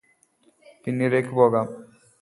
പിന്നിലേയ്ക് പോകാം